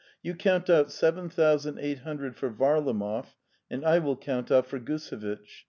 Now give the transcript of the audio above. You count out seven thousand eight hundred for Varlamoy, and I will count out for Gusevitch.